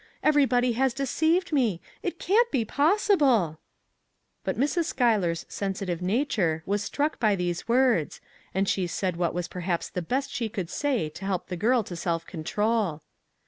Everybody has de ceived me ! It cannot be possible !" But Mrs. Schuyler's sensitive nature was struck by these words and she said what was perhaps the best she could say to help the girl to self control.